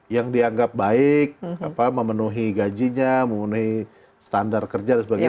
yang dianggap baik memenuhi gajinya memenuhi standar kerja dan sebagainya